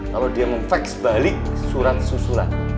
kalau dia memfax balik surat susulan